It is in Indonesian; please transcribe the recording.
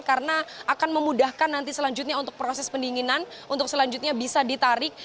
karena akan memudahkan nanti selanjutnya untuk proses pendinginan untuk selanjutnya bisa ditarik